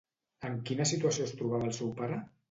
En quina situació es trobava el seu pare?